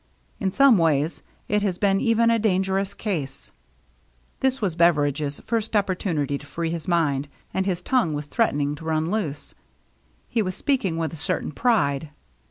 In some ways it has been even a dangerous case." This was Beveridge's first opportunity to free his mind, and his tongue was threatening to run loose. He was speak ing with a certain pride.